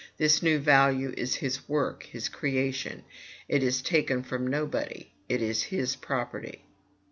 This new value is his work, his creation: it is taken from nobody; it is his property."